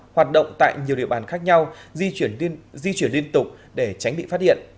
hoạt động tại nhiều địa bàn khác nhau di chuyển liên tục để tránh bị phát hiện